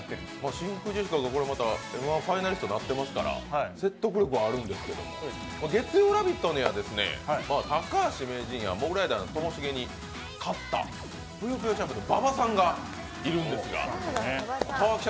真空ジェシカは「Ｍ−１」ファイナリストになってますから説得力はあるんですけど、月曜「ラヴィット！」には、高橋名人はモグライダーのともしげに勝ったぷよぷよチャンピオンの馬場さんがいるんですけど。